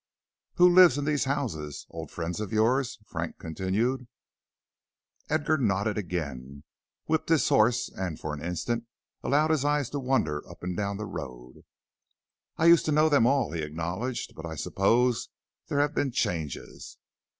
"Who lives in these houses? Old friends of yours?" Frank continued. Edgar nodded again, whipped his horse and for an instant allowed his eyes to wander up and down the road. "I used to know them all," he acknowledged, "but I suppose there have been changes."